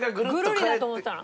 グルリだと思ってたの。